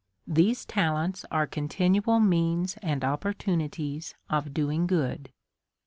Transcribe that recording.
These ta lents are continual means and opportunities of doing g'ood.